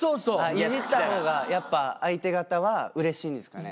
いじった方がやっぱ相手方はうれしいんですかね。